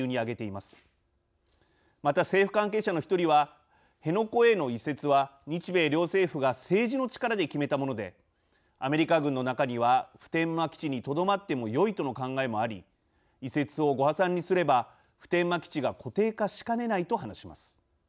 また、政府関係者の１人は「辺野古への移設は日米両政府が政治の力で決めたものでアメリカ軍の中には普天間基地にとどまってもよいとの考えもあり移設をご破算にすれば普天間基地が固定化しかねない」と話します。